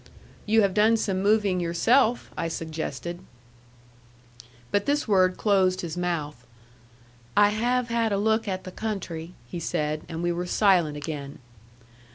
"You have done some moving yourself," I suggested. But this word closed his mouth. "I have had a look at the country," he said, and we were silent again.